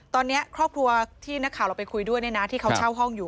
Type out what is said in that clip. ตอนนี้ครอบครัวที่นักข่าวเราไปคุยด้วยที่เขาเช่าห้องอยู่